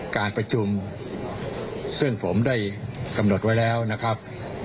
การประชุมซึ่งผมได้กำหนดไว้แล้วนะครับ